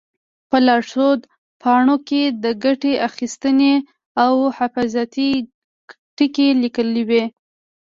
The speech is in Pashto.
په لارښود پاڼو کې د ګټې اخیستنې او حفاظتي ټکي لیکلي وي.